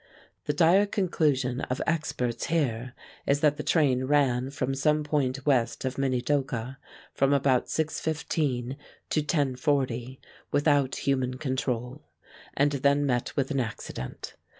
The dire conclusion of experts here is that the train ran from some point west of Minidoka from about 6:15 to 10:40 without human control, and then met with an accident.